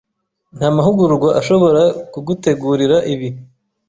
Nta mahugurwa ashobora kugutegurira ibi.